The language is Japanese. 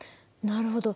なるほど。